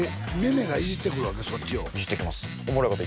えっいじってきます